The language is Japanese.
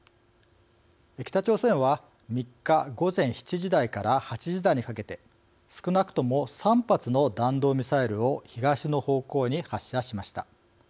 北朝鮮は３日午前７時台から８時台にかけて少なくとも３発の弾道ミサイルを東の方向に発射しました。